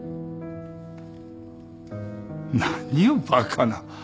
何をバカな。